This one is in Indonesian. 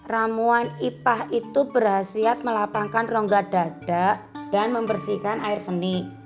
ramuan ipah itu berhasil melapangkan rongga dada dan membersihkan air seni